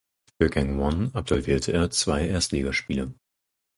Für Gangwon absolvierte er zwei Erstligaspiele.